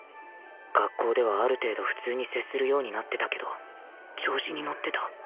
学校ではある程度普通に接するようになってたけど調子にのってた